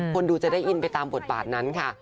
คนดูจะได้อินไปตามบทบาทนั้นค่ะ